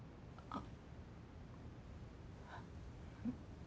あっ。